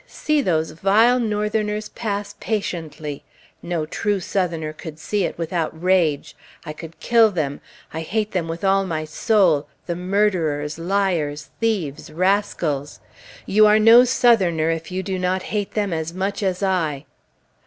see those vile Northerners pass patiently! No true Southerner could see it without rage. I could kill them! I hate them with all my soul, the murderers, liars, thieves, rascals! You are no Southerner if you do not hate them as much as I!"